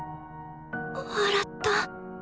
笑った。